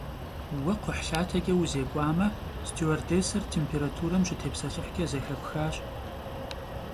Vue kxhuhlhateç'e vuzêk'uame, stüardêsser têmpêraturem şıtêpselhıhç'e zexepxaş.